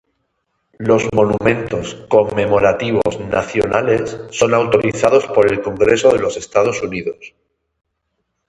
Los monumentos conmemorativos nacionales son autorizados por el Congreso de los Estados Unidos.